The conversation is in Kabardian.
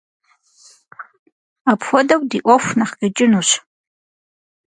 Апхуэдэу ди ӏуэху нэхъ къикӏынущ.